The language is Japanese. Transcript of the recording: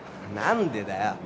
何でだよ？